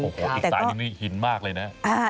อีกสายหนึ่งมีหินมากเลยนะ